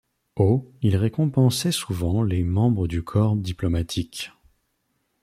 Au il récompensait souvent les membres du corps diplomatique.